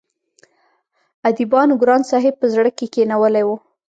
اديبانو ګران صاحب په زړه کښې کښينولی وو